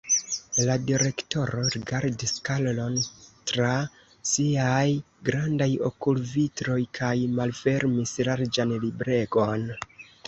La direktoro rigardis Karlon tra siaj grandaj okulvitroj kaj malfermis larĝan libregon.